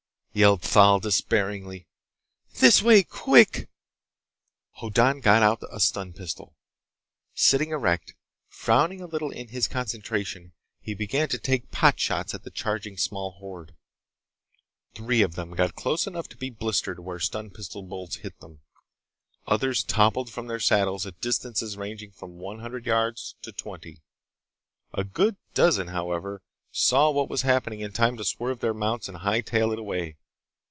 yelled Thal despairingly. "This way! Quick!" Hoddan got out a stun pistol. Sitting erect, frowning a little in his concentration, he began to take pot shots at the charging small horde. Three of them got close enough to be blistered when stun pistol bolts hit them. Others toppled from their saddles at distances ranging from one hundred yards to twenty. A good dozen, however, saw what was happening in time to swerve their mounts and hightail it away.